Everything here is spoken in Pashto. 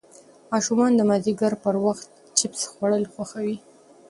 ماشومان د مازدیګر پر وخت چېپس خوړل خوښوي.